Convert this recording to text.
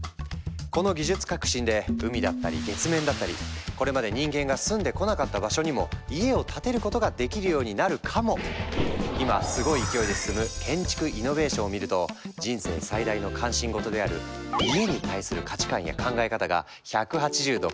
この技術革新で海だったり月面だったりこれまで人間が住んでこなかった場所にも家を建てることができるようになるかも⁉今すごい勢いで進む建築イノベーションを見ると人生最大の関心事である「家」に対する価値観や考え方が１８０度変わっちゃう！